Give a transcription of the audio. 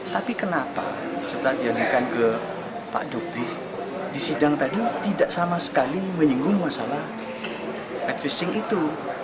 tapi kenapa setelah dialihkan ke pak duki di sidang tadi tidak sama sekali menyinggung masalah etnishing itu